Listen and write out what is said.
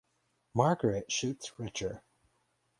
Margaret shoots Richter.